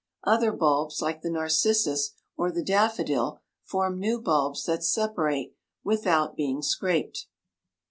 Other bulbs, like the narcissus or the daffodil, form new bulbs that separate without being scraped.